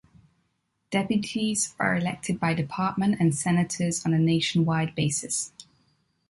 Deputies are elected by department and Senators on a nationwide basis.